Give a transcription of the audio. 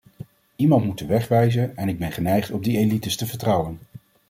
Iemand moet de weg wijzen en ik ben geneigd op die elites te vertrouwen.